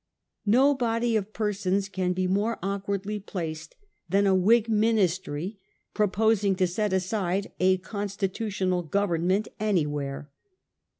No body of persons can be more awkwardly placed than a WMg Ministry proposing to set aside a con stitutional government anywhere.